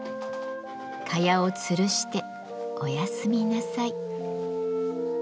蚊帳をつるしておやすみなさい。